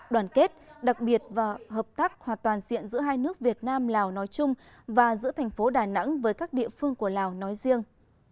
đoàn kết đặc biệt và hợp tác hòa toàn diện giữa hai nước việt nam lào nói chung và giữa thành phố đà nẵng với các địa phương của lào nói riêng